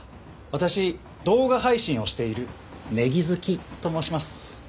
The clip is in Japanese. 私動画配信をしているネギズキと申します。